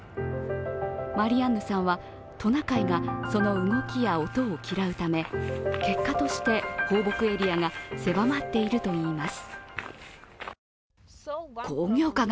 マリアンヌさんはトナカイがその動きや音を嫌うため、結果として、放牧エリアが狭まっているといいます。